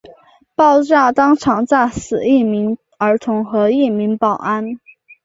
爆炸当场炸死一名儿童和一名保安。